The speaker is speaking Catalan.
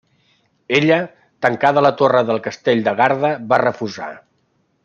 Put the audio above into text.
Ella, tancada a la torre del castell de Garda, va refusar.